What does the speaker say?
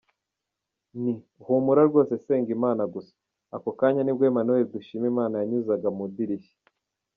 Nti:humura wowe senga Imana gusa, ako kanya nibwo Emmanuel Dushimimana yanyuzaga mu idirishya.